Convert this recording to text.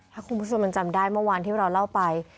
ถ้าคุณผู้ชมยังจำได้เมื่อวานที่เราเล่าไป